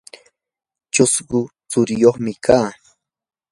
chusku tsuriyuqmi kaa.